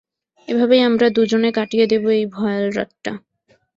এভাবেই আমরা দুজনে কাটিয়ে দেব এই ভয়াল রাতটা।